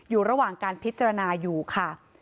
อยู่ระหว่างการพิจารณาอยู่ค่ะ